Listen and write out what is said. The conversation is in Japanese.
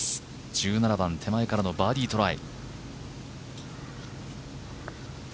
１７番手前からのバーディートライ。